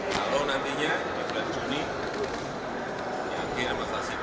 kalau nantinya di bulan juni yang dianggir masalah sidang